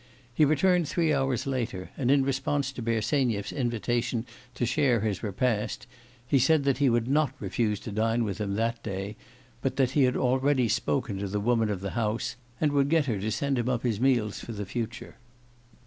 He returned three hours later; and in response to Bersenyev's invitation to share his repast, he said that he would not refuse to dine with him that day, but that he had already spoken to the woman of the house, and would get her to send him up his meals for the future.